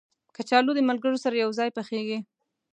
کچالو د ملګرو سره یو ځای پخېږي